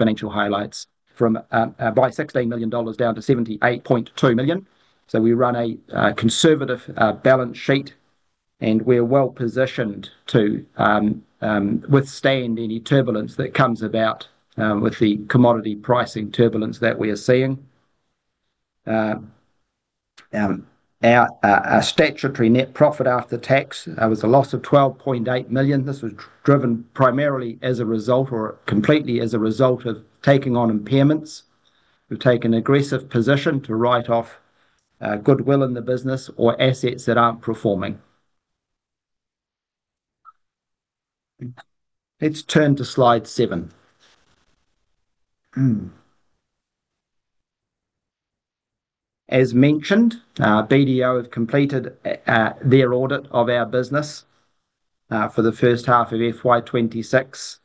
Financial highlights. From 78.2 million down to AUD 16 million. We run a conservative balance sheet, and we're well-positioned to withstand any turbulence that comes about with the commodity pricing turbulence that we are seeing. Our statutory net profit after tax was a loss of 12.8 million. This was driven primarily as a result, or completely as a result of taking on impairments. We've taken aggressive position to write off goodwill in the business or assets that aren't performing. Let's turn to slide seven. As mentioned, BDO have completed their audit of our business for the first half of FY 2026.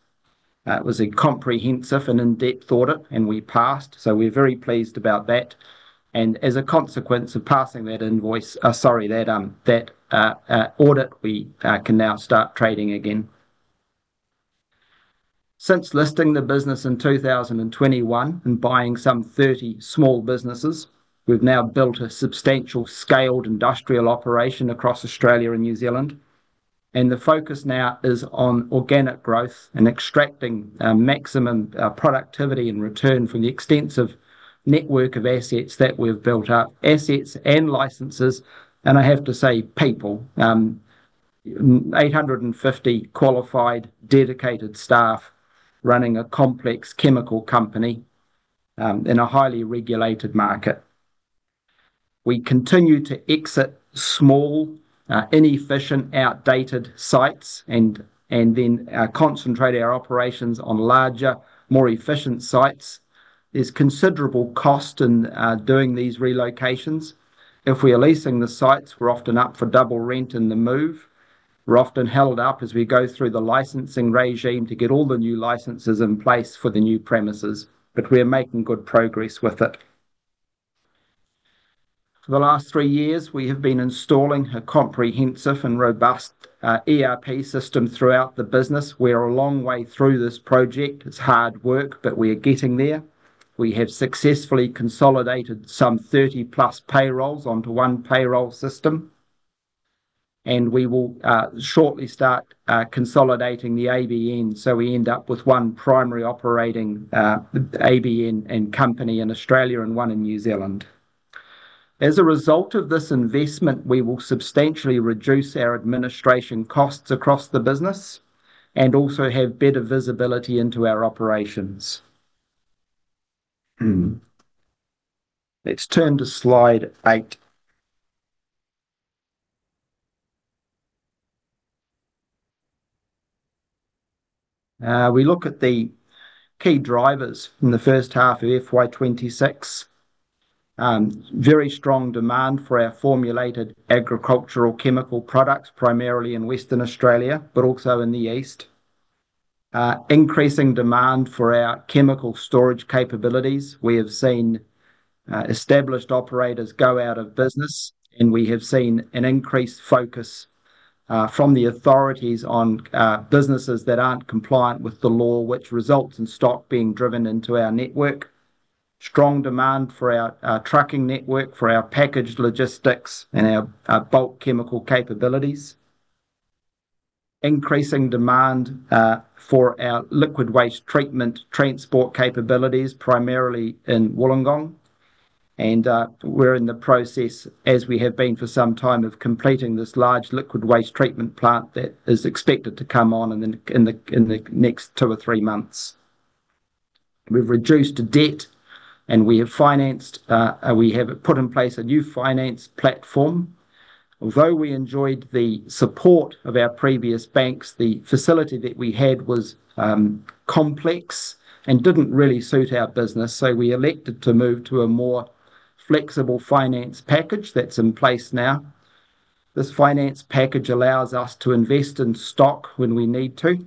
It was a comprehensive and in-depth audit, and we passed, so we're very pleased about that. As a consequence of passing that invoice, sorry, that audit, we can now start trading again. Since listing the business in 2021 and buying some 30 small businesses, we've now built a substantial scaled industrial operation across Australia and New Zealand. The focus now is on organic growth and extracting maximum productivity and return from the extensive network of assets that we've built up, assets and licenses. I have to say, people, 850 qualified, dedicated staff running a complex chemical company in a highly regulated market. We continue to exit small, inefficient, outdated sites and then concentrate our operations on larger, more efficient sites. There's considerable cost in doing these relocations. If we are leasing the sites, we're often up for double rent in the move. We're often held up as we go through the licensing regime to get all the new licenses in place for the new premises, but we are making good progress with it. For the last three years, we have been installing a comprehensive and robust ERP system throughout the business. We're a long way through this project. It's hard work, but we are getting there. We have successfully consolidated some 30-plus payrolls onto one payroll system, and we will shortly start consolidating the ABN, so we end up with one primary operating ABN and company in Australia and one in New Zealand. As a result of this investment, we will substantially reduce our administration costs across the business and also have better visibility into our operations. Let's turn to slide eight. We look at the key drivers in the first half of FY 2026. Very strong demand for our formulated agricultural chemical products, primarily in Western Australia, but also in the East. Increasing demand for our chemical storage capabilities. We have seen established operators go out of business, and we have seen an increased focus from the authorities on businesses that aren't compliant with the law, which results in stock being driven into our network. Strong demand for our trucking network, for our packaged logistics, and our bulk chemical capabilities. Increasing demand for our liquid waste treatment transport capabilities, primarily in Wollongong. We're in the process, as we have been for some time, of completing this large liquid waste treatment plant that is expected to come on in the next two or three months. We've reduced debt, and we have put in place a new finance platform. Although we enjoyed the support of our previous banks, the facility that we had was complex and didn't really suit our business. We elected to move to a more flexible finance package that's in place now. This finance package allows us to invest in stock when we need to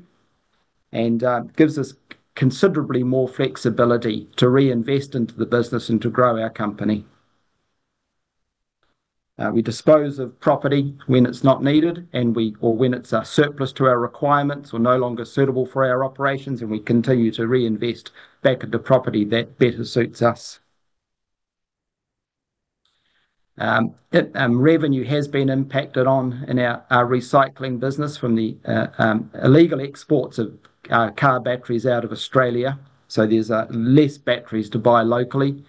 and gives us considerably more flexibility to reinvest into the business and to grow our company. We dispose of property when it's not needed, or when it's surplus to our requirements or no longer suitable for our operations, and we continue to reinvest back into property that better suits us. Revenue has been impacted on in our recycling business from the illegal exports of car batteries out of Australia. There's less batteries to buy locally.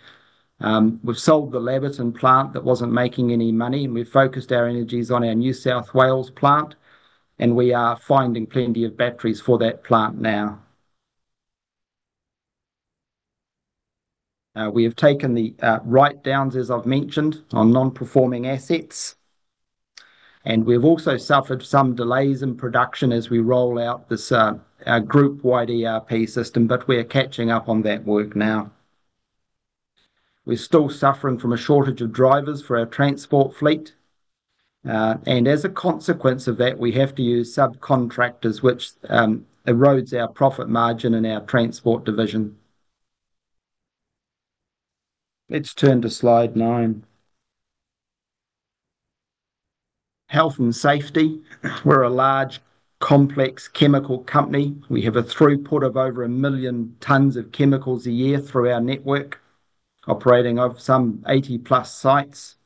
We've sold the Laverton plant that wasn't making any money, and we've focused our energies on our New South Wales plant, and we are finding plenty of batteries for that plant now. We have taken the write-downs, as I've mentioned, on non-performing assets, and we've also suffered some delays in production as we roll out this group-wide ERP system, but we are catching up on that work now. We're still suffering from a shortage of drivers for our transport fleet. As a consequence of that, we have to use subcontractors, which erodes our profit margin in our transport division. Let's turn to slide nine. Health and safety. We're a large, complex chemical company. We have a throughput of over 1 million tons of chemicals a year through our network, operating of some 80+ sites.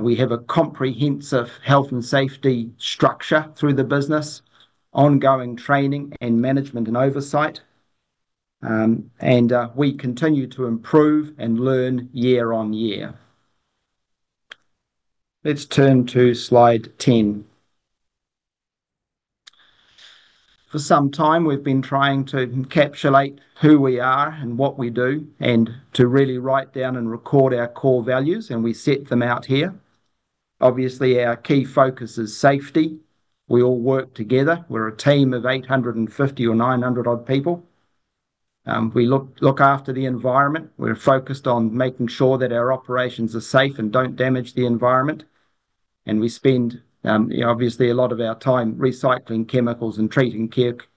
We have a comprehensive health and safety structure through the business, ongoing training and management and oversight, and we continue to improve and learn year on year. Let's turn to slide 10. For some time we've been trying to encapsulate who we are and what we do and to really write down and record our core values, and we set them out here. Obviously, our key focus is safety. We all work together. We're a team of 850 or 900-odd people. We look after the environment. We're focused on making sure that our operations are safe and don't damage the environment. We spend obviously a lot of our time recycling chemicals and treating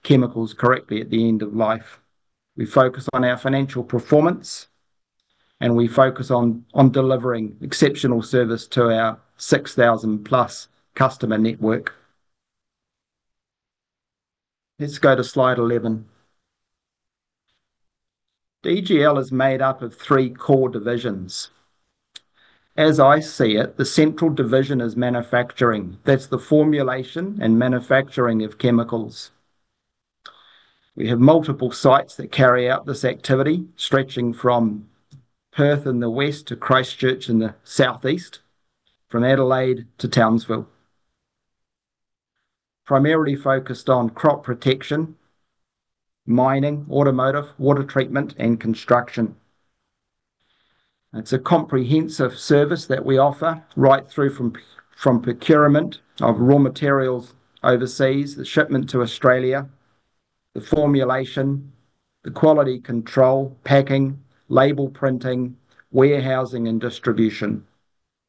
chemicals correctly at the end of life. We focus on our financial performance, and we focus on delivering exceptional service to our 6,000+ customer network. Let's go to slide 11. DGL is made up of three core divisions. As I see it, the central division is manufacturing. That's the formulation and manufacturing of chemicals. We have multiple sites that carry out this activity, stretching from Perth in the west to Christchurch in the southeast, from Adelaide to Townsville, primarily focused on crop protection, mining, automotive, water treatment and construction. It's a comprehensive service that we offer right through from procurement of raw materials overseas, the shipment to Australia, the formulation, the quality control, packing, label printing, warehousing and distribution.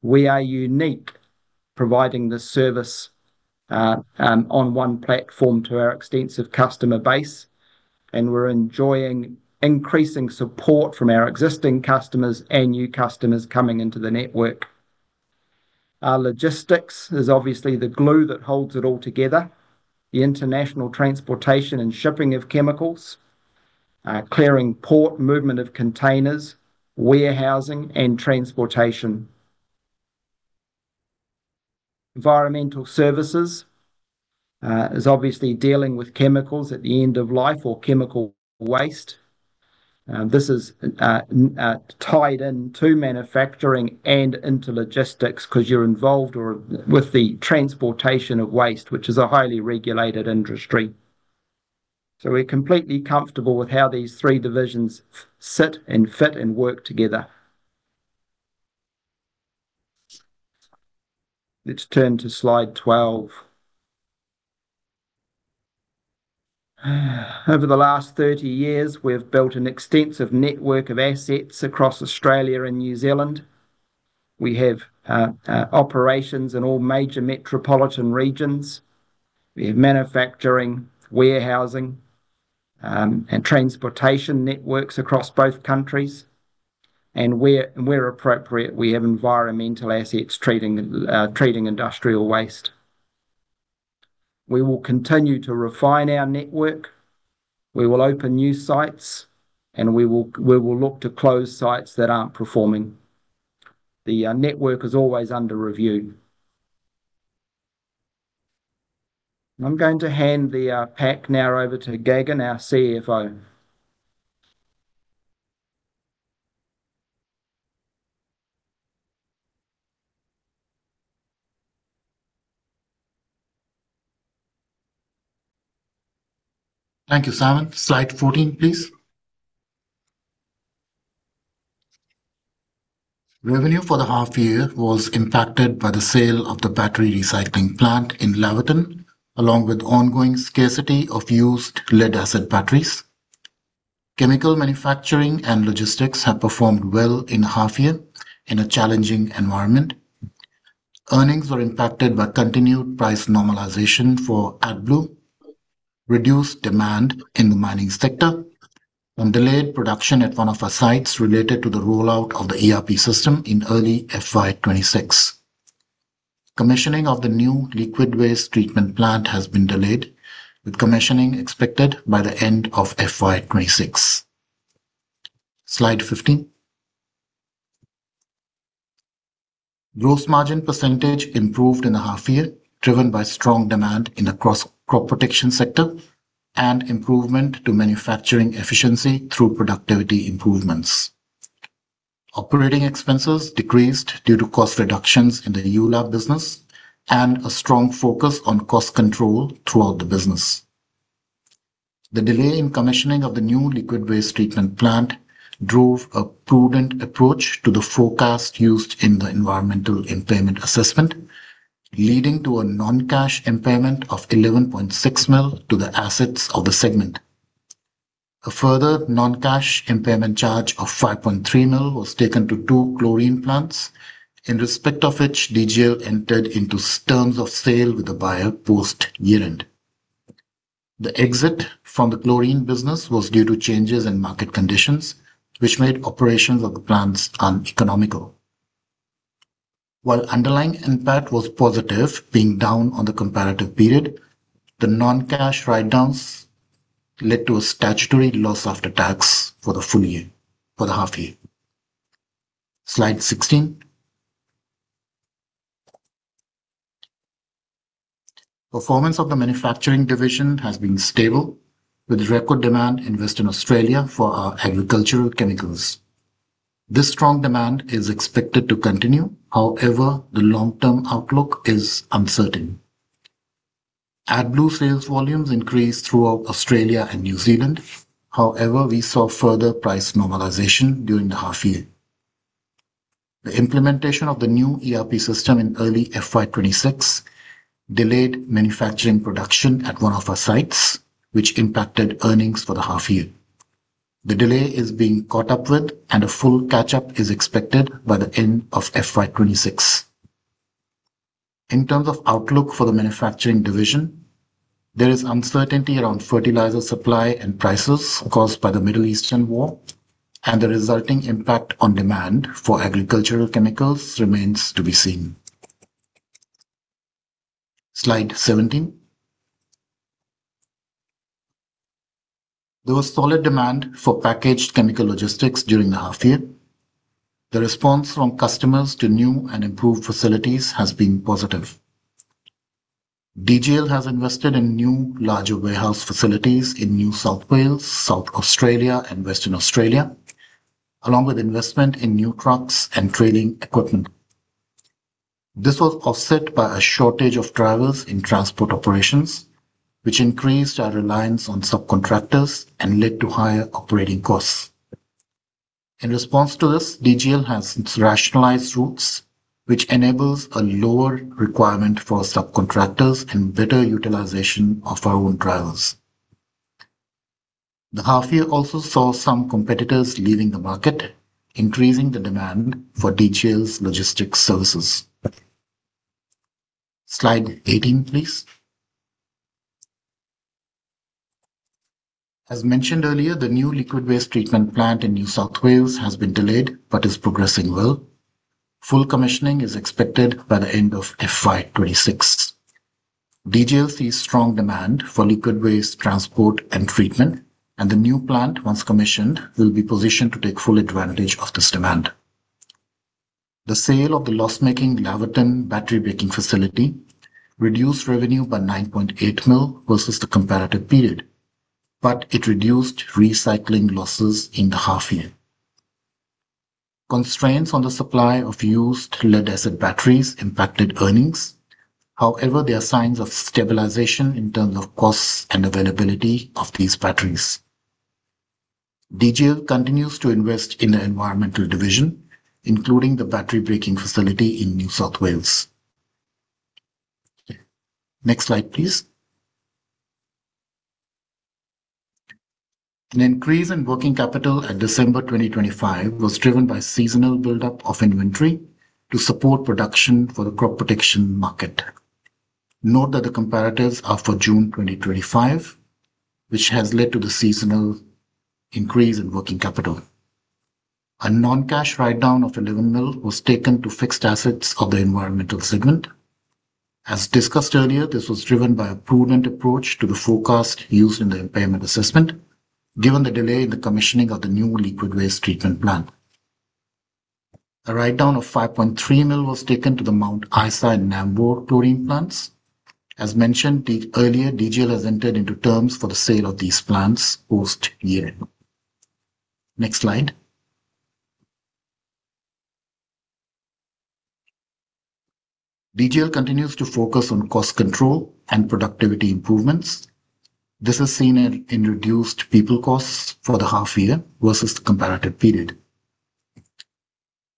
We are unique providing this service on one platform to our extensive customer base, and we're enjoying increasing support from our existing customers and new customers coming into the network. Our logistics is obviously the glue that holds it all together, the international transportation and shipping of chemicals, clearing port, movement of containers, warehousing and transportation. Environmental services is obviously dealing with chemicals at the end of life or chemical waste. This is tied into manufacturing and into logistics because you're involved with the transportation of waste, which is a highly regulated industry. We're completely comfortable with how these three divisions sit and fit and work together. Let's turn to slide 12. Over the last 30 years, we've built an extensive network of assets across Australia and New Zealand. We have operations in all major metropolitan regions. We have manufacturing, warehousing, and transportation networks across both countries. Where appropriate, we have environmental assets treating industrial waste. We will continue to refine our network. We will open new sites, and we will look to close sites that aren't performing. The network is always under review. I'm going to hand the pack now over to Gagan, our CFO. Thank you, Simon. Slide 14, please. Revenue for the half year was impacted by the sale of the battery recycling plant in Laverton, along with ongoing scarcity of used lead-acid batteries. Chemical manufacturing and logistics have performed well in half year in a challenging environment. Earnings were impacted by continued price normalization for AdBlue, reduced demand in the mining sector and delayed production at one of our sites related to the rollout of the ERP system in early FY 2026. Commissioning of the new liquid waste treatment plant has been delayed, with commissioning expected by the end of FY 2026. Slide 15. Gross margin percentage improved in the half year, driven by strong demand in the crop protection sector and improvement to manufacturing efficiency through productivity improvements. Operating expenses decreased due to cost reductions in the ULAB business and a strong focus on cost control throughout the business. The delay in commissioning of the new liquid waste treatment plant drove a prudent approach to the forecast used in the environmental impairment assessment, leading to a non-cash impairment of 11.6 million to the assets of the segment. A further non-cash impairment charge of 5.3 million was taken to two chlorine plants, in respect of which DGL entered into terms of sale with the buyer post-year-end. The exit from the chlorine business was due to changes in market conditions, which made operations of the plants uneconomical. While underlying NPAT was positive, being down on the comparative period, the non-cash write-downs led to a statutory loss after tax for the half year. Slide 16. Performance of the manufacturing division has been stable with record demand in Western Australia for our agricultural chemicals. This strong demand is expected to continue. However, the long-term outlook is uncertain. AdBlue sales volumes increased throughout Australia and New Zealand. However, we saw further price normalization during the half year. The implementation of the new ERP system in early FY 2026 delayed manufacturing production at one of our sites, which impacted earnings for the half year. The delay is being caught up with and a full catch-up is expected by the end of FY 2026. In terms of outlook for the manufacturing division, there is uncertainty around fertilizer supply and prices caused by the Middle Eastern war, and the resulting impact on demand for agricultural chemicals remains to be seen. Slide 17. There was solid demand for packaged chemical logistics during the half year. The response from customers to new and improved facilities has been positive. DGL has invested in new larger warehouse facilities in New South Wales, South Australia and Western Australia, along with investment in new trucks and training equipment. This was offset by a shortage of drivers in transport operations, which increased our reliance on subcontractors and led to higher operating costs. In response to this, DGL has rationalized routes, which enables a lower requirement for subcontractors and better utilization of our own drivers. The half year also saw some competitors leaving the market, increasing the demand for DGL's logistics services. Slide 18, please. As mentioned earlier, the new liquid waste treatment plant in New South Wales has been delayed but is progressing well. Full commissioning is expected by the end of FY 2026. DGL sees strong demand for liquid waste transport and treatment, and the new plant, once commissioned, will be positioned to take full advantage of this demand. The sale of the loss-making Laverton battery breaking facility reduced revenue by 9.8 million versus the comparative period, but it reduced recycling losses in the half year. Constraints on the supply of used lead-acid batteries impacted earnings. However, there are signs of stabilization in terms of costs and availability of these batteries. DGL continues to invest in the environmental division, including the battery breaking facility in New South Wales. Next slide, please. An increase in working capital at December 2025 was driven by seasonal build-up of inventory to support production for the crop protection market. Note that the comparatives are for June 2025, which has led to the seasonal increase in working capital. A non-cash write-down of 11 million was taken to fixed assets of the environmental segment. As discussed earlier, this was driven by a prudent approach to the forecast used in the impairment assessment, given the delay in the commissioning of the new liquid waste treatment plant. A write-down of 5.3 million was taken to the Mount Isa and Nambour chlorine plants. As mentioned earlier, DGL has entered into terms for the sale of these plants post-year end. Next slide. DGL continues to focus on cost control and productivity improvements. This is seen in reduced people costs for the half year versus the comparative period.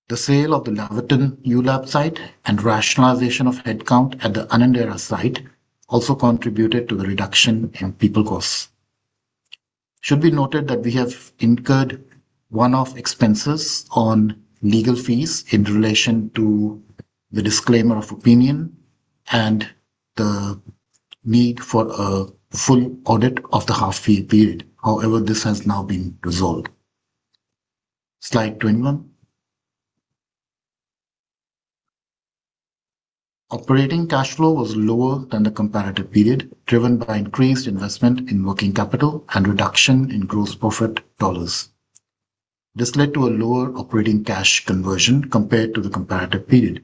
The sale of the Laverton ULAB site and rationalization of headcount at the Annandale site also contributed to the reduction in people costs. It should be noted that we have incurred one-off expenses on legal fees in relation to the disclaimer of opinion and the need for a full audit of the half year period. However, this has now been resolved. Slide 21. Operating cash flow was lower than the comparative period, driven by increased investment in working capital and reduction in gross profit dollars. This led to a lower operating cash conversion compared to the comparative period.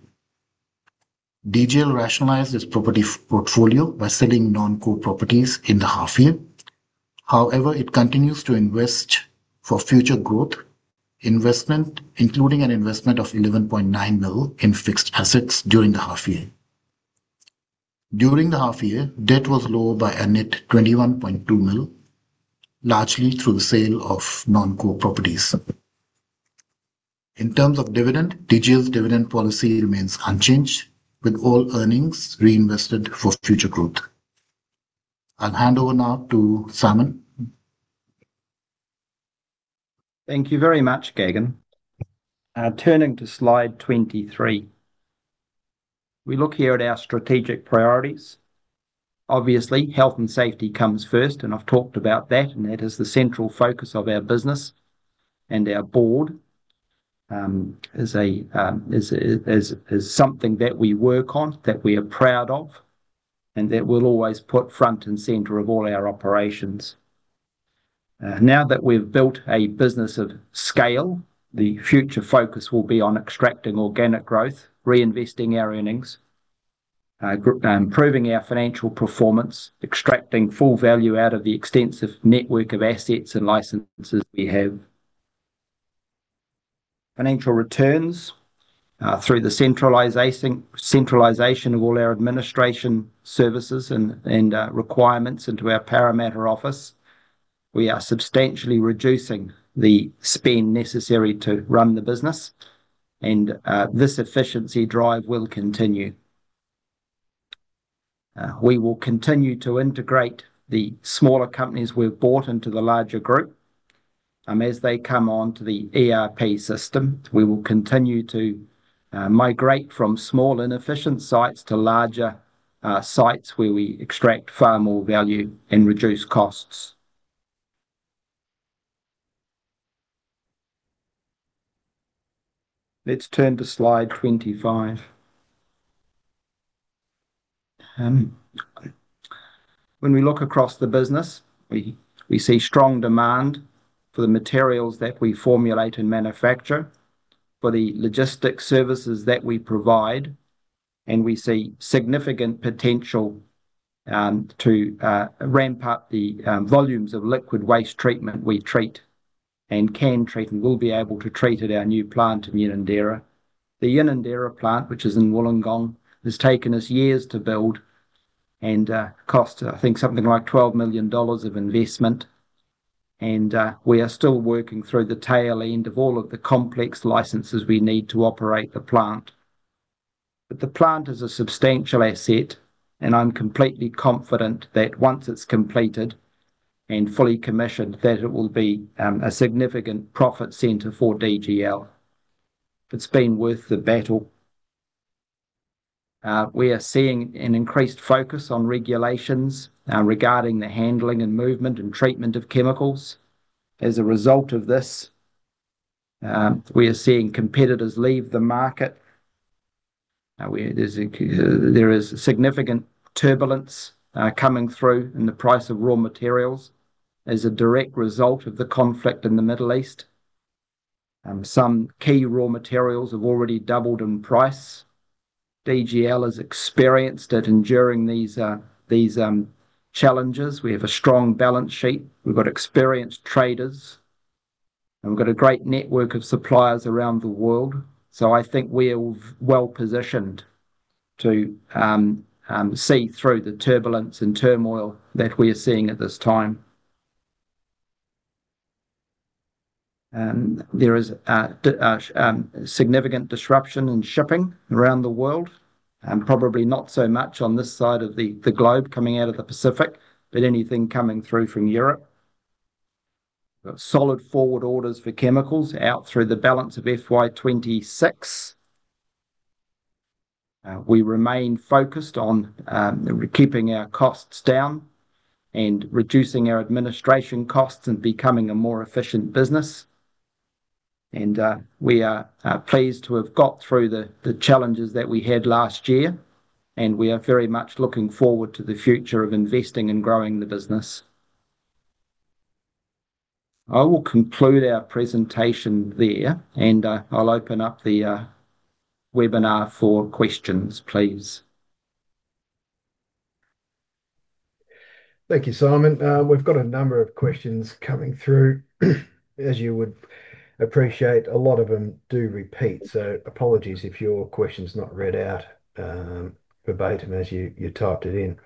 DGL rationalized its property portfolio by selling non-core properties in the half year. However, it continues to invest for future growth, including an investment of 11.9 million in fixed assets during the half year. During the half year, debt was lower by a net 21.2 million, largely through the sale of non-core properties. In terms of dividend, DGL's dividend policy remains unchanged with all earnings reinvested for future growth. I'll hand over now to Simon. Thank you very much, Gagan. Turning to slide 23. We look here at our strategic priorities. Obviously, health and safety comes first, and I've talked about that, and that is the central focus of our business and our board, something that we work on, that we are proud of, and that we'll always put front and center of all our operations. Now that we've built a business of scale, the future focus will be on extracting organic growth, reinvesting our earnings, improving our financial performance, extracting full value out of the extensive network of assets and licenses we have. Financial returns. Through the centralization of all our administration services and requirements into our Parramatta office, we are substantially reducing the spend necessary to run the business, and this efficiency drive will continue. We will continue to integrate the smaller companies we've bought into the larger group. As they come onto the ERP system, we will continue to migrate from small inefficient sites to larger sites where we extract far more value and reduce costs. Let's turn to slide 25. When we look across the business, we see strong demand for the materials that we formulate and manufacture, for the logistics services that we provide, and we see significant potential to ramp up the volumes of liquid waste treatment we treat and can treat and will be able to treat at our new plant in Unanderra. The Unanderra plant, which is in Wollongong, has taken us years to build and cost, I think, something like 12 million dollars of investment, and we are still working through the tail end of all of the complex licenses we need to operate the plant. The plant is a substantial asset, and I'm completely confident that once it's completed and fully commissioned, that it will be a significant profit center for DGL. It's been worth the battle. We are seeing an increased focus on regulations regarding the handling and movement and treatment of chemicals. As a result of this, we are seeing competitors leave the market. There is significant turbulence coming through in the price of raw materials as a direct result of the conflict in the Middle East. Some key raw materials have already doubled in price. DGL has experienced it, and during these challenges, we have a strong balance sheet. We've got experienced traders, and we've got a great network of suppliers around the world. I think we are well-positioned to sit through the turbulence and turmoil that we are seeing at this time. There is significant disruption in shipping around the world. Probably not so much on this side of the globe coming out of the Pacific, but anything coming through from Europe. We've got solid forward orders for chemicals out through the balance of FY 2026. We remain focused on keeping our costs down and reducing our administration costs and becoming a more efficient business. We are pleased to have got through the challenges that we had last year, and we are very much looking forward to the future of investing and growing the business. I will conclude our presentation there, and I'll open up the webinar for questions, please. Thank you, Simon. We've got a number of questions coming through. As you would appreciate, a lot of them do repeat, so apologies if your question's not read out verbatim as you typed it in.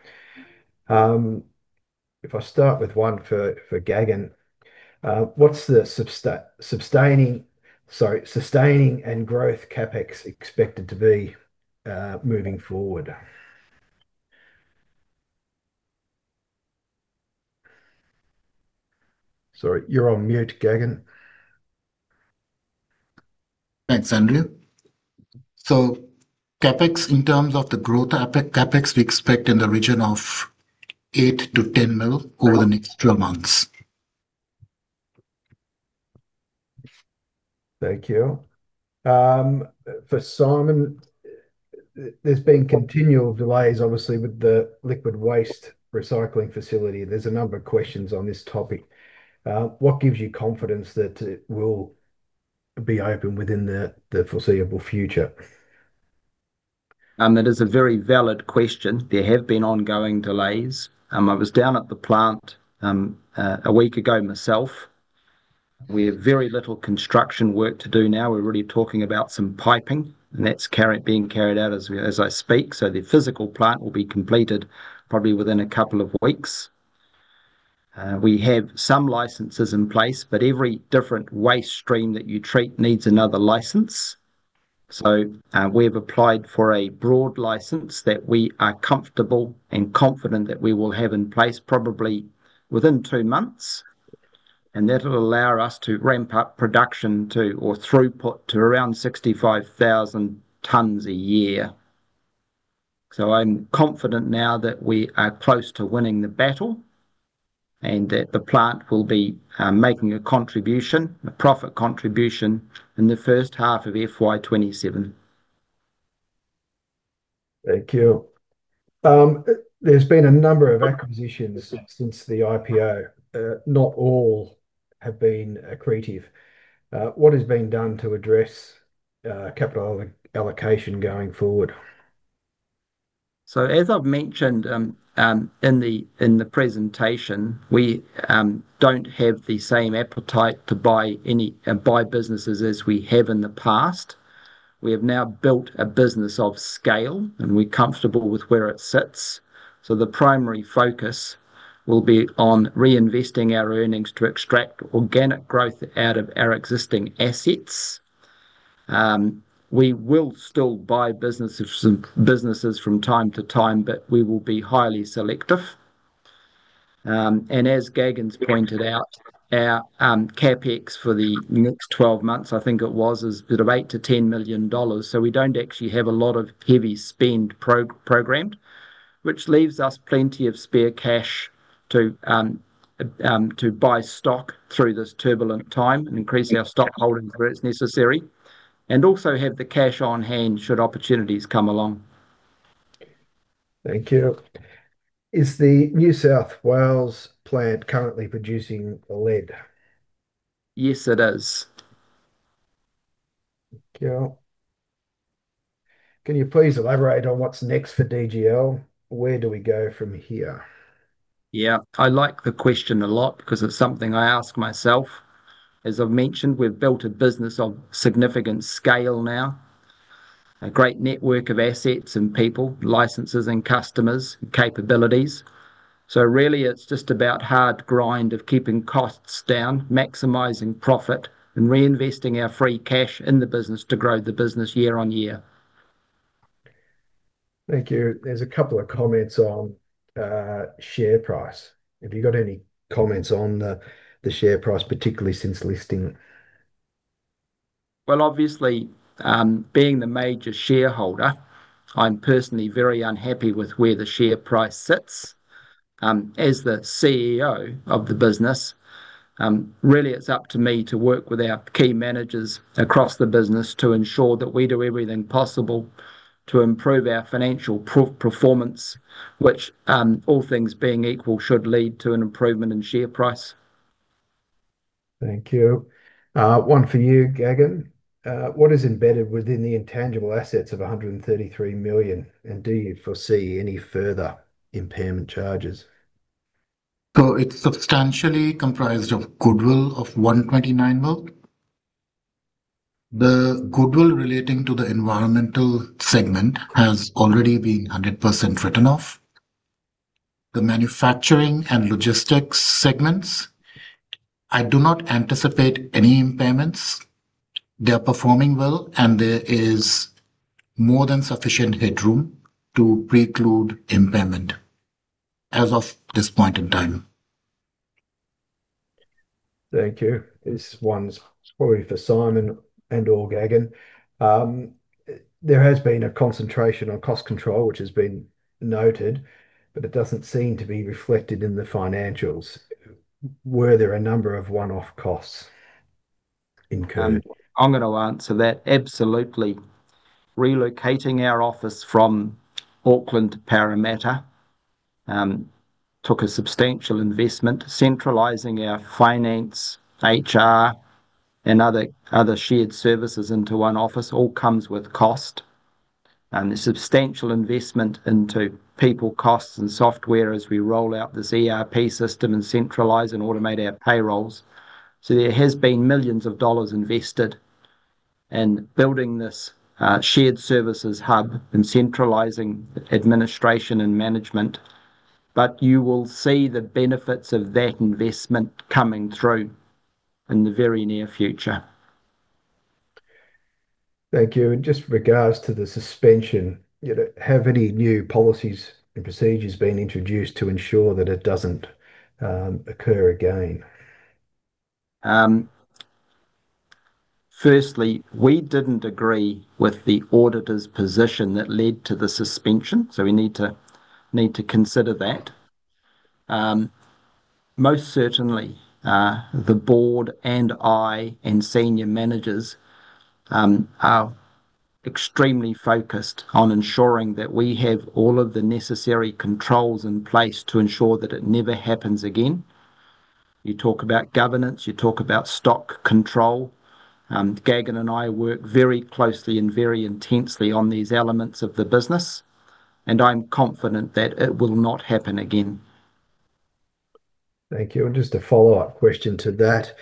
If I start with one for Gagan. What's the sustaining and growth CapEx expected to be moving forward? Sorry, you're on mute, Gagan. Thanks, Andrew. CapEx, in terms of the growth CapEx, we expect in the region of 8 million-10 million over the next 12 months. Thank you. For Simon, there's been continual delays, obviously, with the liquid waste recycling facility. There's a number of questions on this topic. What gives you confidence that it will be open within the foreseeable future? That is a very valid question. There have been ongoing delays. I was down at the plant a week ago myself. We have very little construction work to do now. We're really talking about some piping and that's being carried out as I speak. The physical plant will be completed probably within a couple of weeks. We have some licenses in place, but every different waste stream that you treat needs another license. We've applied for a broad license that we are comfortable and confident that we will have in place probably within two months, and that'll allow us to ramp up production to, or throughput to around 65,000 tonnes a year. I'm confident now that we are close to winning the battle and that the plant will be making a contribution, a profit contribution, in the first half of FY 2027. Thank you. There's been a number of acquisitions since the IPO. Not all have been accretive. What is being done to address capital allocation going forward? As I've mentioned in the presentation, we don't have the same appetite to buy businesses as we have in the past. We have now built a business of scale, and we're comfortable with where it sits. The primary focus will be on reinvesting our earnings to extract organic growth out of our existing assets. We will still buy businesses from time to time, but we will be highly selective. As Gagan's pointed out, our CapEx for the next 12 months, I think it was, is sort of 8 million-10 million dollars. We don't actually have a lot of heavy spend programmed, which leaves us plenty of spare cash to buy stock through this turbulent time and increase our stock holdings where it's necessary, and also have the cash on hand should opportunities come along. Thank you. Is the New South Wales plant currently producing the lead? Yes, it is. Thank you. Can you please elaborate on what's next for DGL? Where do we go from here? Yeah. I like the question a lot because it's something I ask myself. As I've mentioned, we've built a business of significant scale now, a great network of assets and people, licenses and customers, capabilities. Really it's just about hard grind of keeping costs down, maximizing profit, and reinvesting our free cash in the business to grow the business year on year. Thank you. There's a couple of comments on share price. Have you got any comments on the share price, particularly since listing? Well, obviously, being the major shareholder, I'm personally very unhappy with where the share price sits. As the CEO of the business, really it's up to me to work with our key managers across the business to ensure that we do everything possible to improve our financial performance, which, all things being equal, should lead to an improvement in share price. Thank you. One for you, Gagan. What is embedded within the intangible assets of 133 million, and do you foresee any further impairment charges? It's substantially comprised of goodwill of 129 million. The goodwill relating to the environmental segment has already been 100% written off. The manufacturing and logistics segments, I do not anticipate any impairments. They are performing well, and there is more than sufficient headroom to preclude impairment as of this point in time. Thank you. This one's probably for Simon and/or Gagan. There has been a concentration on cost control, which has been noted, but it doesn't seem to be reflected in the financials. Were there a number of one-off costs incurred? I'm going to answer that. Absolutely. Relocating our office from Auckland to Parramatta took a substantial investment. Centralizing our finance, HR, and other shared services into one office all comes with cost. The substantial investment into people costs and software as we roll out this ERP system and centralize and automate our payrolls. There has been millions dollars invested in building this shared services hub and centralizing administration and management, but you will see the benefits of that investment coming through in the very near future. Thank you. Just with regards to the suspension, have any new policies and procedures been introduced to ensure that it doesn't occur again? Firstly, we didn't agree with the auditor's position that led to the suspension, so we need to consider that. Most certainly, the board and I and senior managers are extremely focused on ensuring that we have all of the necessary controls in place to ensure that it never happens again. You talk about governance, you talk about stock control. Gagan and I work very closely and very intensely on these elements of the business, and I'm confident that it will not happen again. Thank you. Just a follow-up question to that.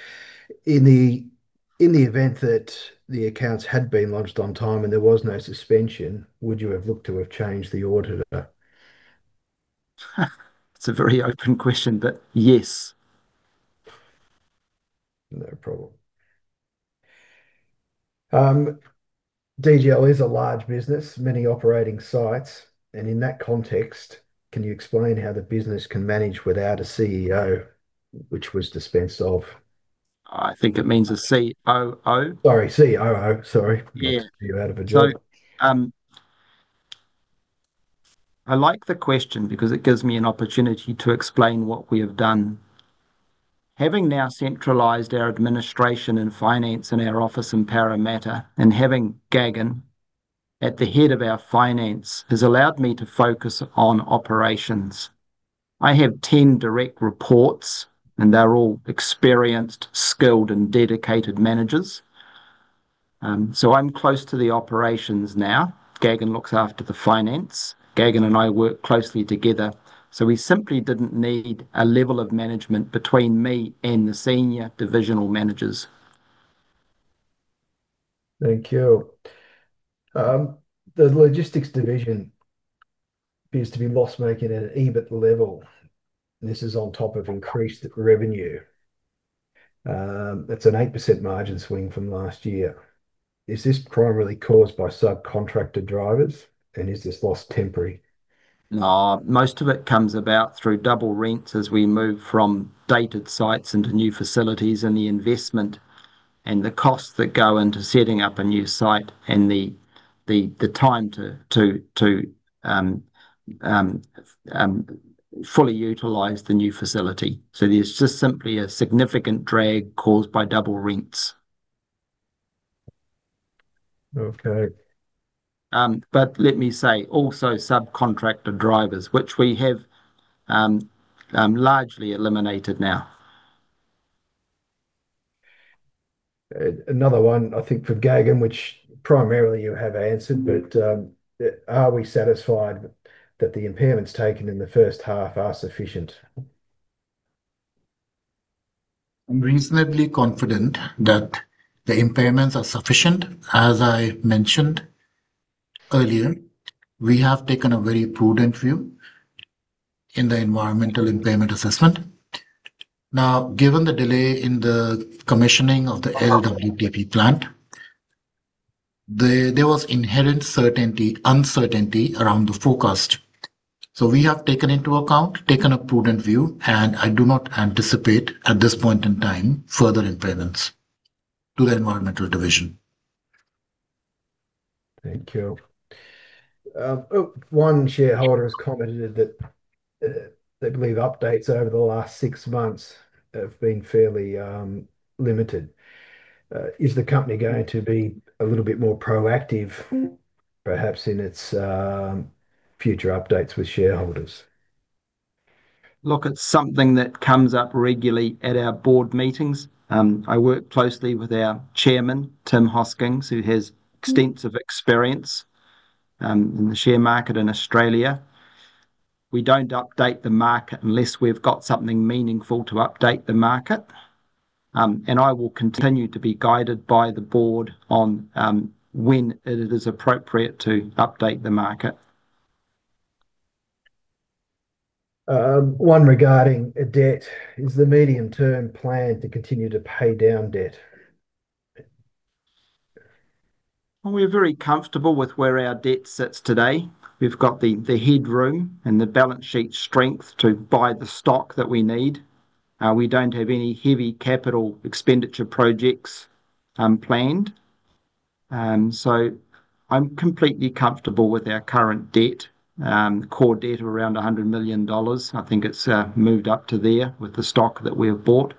In the event that the accounts had been lodged on time and there was no suspension, would you have looked to have changed the auditor? It's a very open question, but yes. No problem. DGL is a large business, many operating sites, and in that context, can you explain how the business can manage without a CEO, which was dispensed with. I think it means a COO. Sorry, COO. Sorry. Yeah. Got you out of a job. I like the question because it gives me an opportunity to explain what we have done. Having now centralized our administration and finance in our office in Parramatta, and having Gagan at the head of our finance, has allowed me to focus on operations. I have 10 direct reports, and they're all experienced, skilled, and dedicated managers. I'm close to the operations now. Gagan looks after the finance. Gagan and I work closely together. We simply didn't need a level of management between me and the senior divisional managers. Thank you. The logistics division appears to be loss-making at an EBIT level. This is on top of increased revenue. That's an 8% margin swing from last year. Is this primarily caused by subcontractor drivers? Is this loss temporary? No. Most of it comes about through double rents as we move from dated sites into new facilities, and the investment and the costs that go into setting up a new site, and the time to fully utilize the new facility. There's just simply a significant drag caused by double rents. Okay. Let me say, also subcontractor drivers, which we have largely eliminated now. Another one, I think for Gagan, which primarily you have answered. Are we satisfied that the impairments taken in the first half are sufficient? I'm reasonably confident that the impairments are sufficient. As I mentioned earlier, we have taken a very prudent view in the environmental impairment assessment. Now, given the delay in the commissioning of the LWTP plant, there was inherent uncertainty around the forecast. We have taken into account a prudent view, and I do not anticipate, at this point in time, further impairments to the environmental division. Thank you. One shareholder has commented that they believe updates over the last six months have been fairly limited. Is the company going to be a little bit more proactive perhaps in its future updates with shareholders? Look, it's something that comes up regularly at our board meetings. I work closely with our Chairman, Tim Hosking, who has extensive experience in the share market in Australia. We don't update the market unless we've got something meaningful to update the market. I will continue to be guided by the board on when it is appropriate to update the market. One regarding debt. Is the medium-term plan to continue to pay down debt? Well, we're very comfortable with where our debt sits today. We've got the headroom and the balance sheet strength to buy the stock that we need. We don't have any heavy capital expenditure projects planned. I'm completely comfortable with our current debt, core debt of around 100 million dollars. I think it's moved up to there with the stock that we have bought.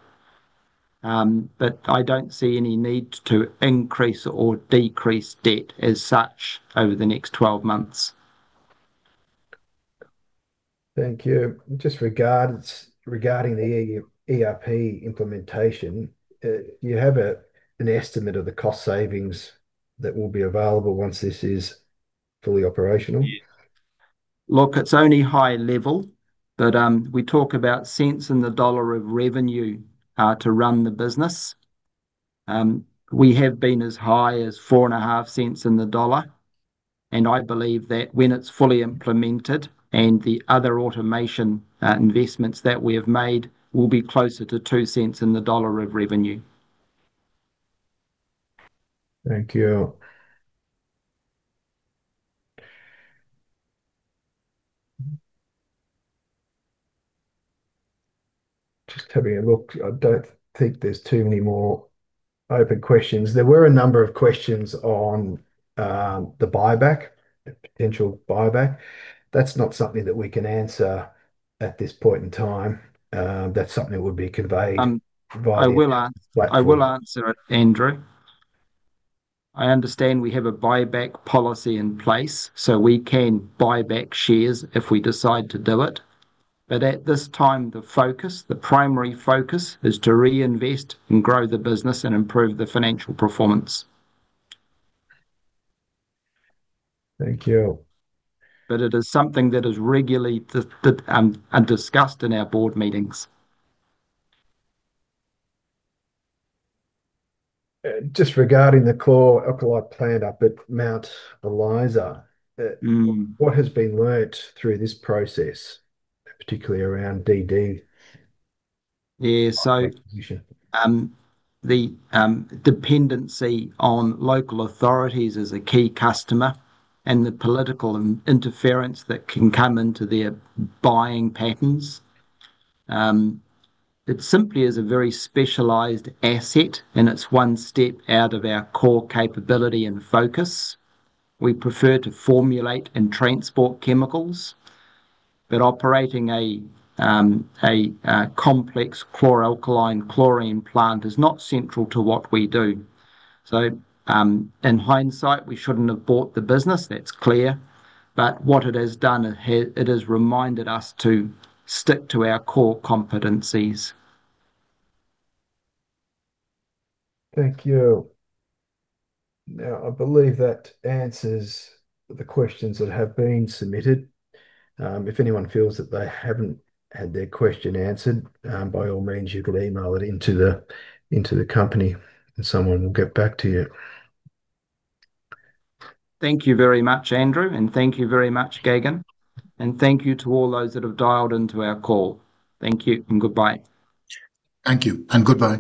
I don't see any need to increase or decrease debt as such over the next 12 months. Thank you. Just regarding the ERP implementation, do you have an estimate of the cost savings that will be available once this is fully operational? Look, it's only high level. We talk about cents in the dollar of revenue to run the business. We have been as high as $0.045 in the dollar, and I believe that when it's fully implemented, and the other automation investments that we have made will be closer to $0.2 in the dollar of revenue. Thank you. Just having a look. I don't think there's too many more open questions. There were a number of questions on the buyback, potential buyback. That's not something that we can answer at this point in time. That's something that would be conveyed via. I will answer it, Andrew. I understand we have a buyback policy in place, so we can buy back shares if we decide to do it. At this time, the focus, the primary focus, is to reinvest and grow the business and improve the financial performance. Thank you. It is something that is regularly discussed in our board meetings. Just regarding the chlor-alkali plant up at Mount Isa. Mm What has been learned through this process, particularly around DD? The dependency on local authorities as a key customer and the political interference that can come into their buying patterns. It simply is a very specialized asset, and it's one step out of our core capability and focus. We prefer to formulate and transport chemicals. Operating a complex chlor-alkali and chlorine plant is not central to what we do. In hindsight, we shouldn't have bought the business, that's clear. What it has done, it has reminded us to stick to our core competencies. Thank you. Now I believe that answers the questions that have been submitted. If anyone feels that they haven't had their question answered, by all means you can email it into the company and someone will get back to you. Thank you very much, Andrew, and thank you very much, Gagan. Thank you to all those that have dialed into our call. Thank you and goodbye. Thank you and goodbye.